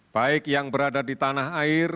baik yang berada di tanah air